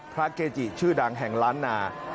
เกจิชื่อดังแห่งล้านนา